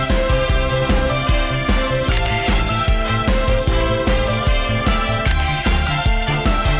อมสกาวใจพูดสุดค่ะ